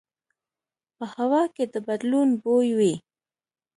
په هوا کې د بدلون بوی وي